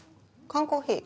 缶コーヒー？